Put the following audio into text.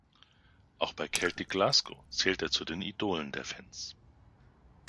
Auch bei Celtic Glasgow zählte er zu den Idolen der Fans.